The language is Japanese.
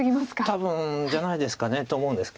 多分じゃないですか？と思うんですけど。